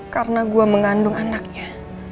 karena gue mengandung anaknya